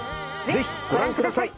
ぜひご覧ください。